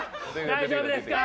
大丈夫ですか？